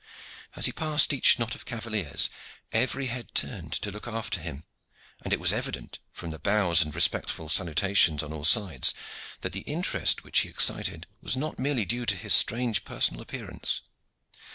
As he passed each knot of cavaliers every head turned to look after him, and it was evident, from the bows and respectful salutations on all sides, that the interest which he excited was not due merely to his strange personal appearance.